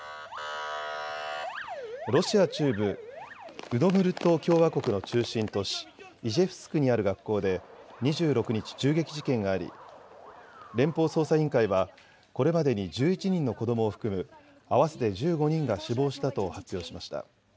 ロシア中部ウドムルト共和国の中心都市イジェフスクにある学校で２６日、銃撃事件があり、連邦捜査委員会は、これまでに１１人の子どもを含む合わせて１５人が死亡したと発表しました。